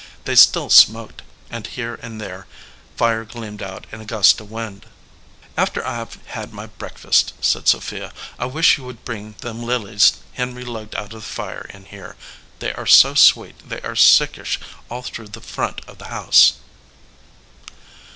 They still smoked, and here and there fire gleamed out in a gust of wind. "After I ve had my break fast," said Sophia, "I wish you would bring them 17 249 EDGEWATER PEOPLE lilies Henry lugged out of the fire, in here. They are so sweet they are sickish all through the front of the house."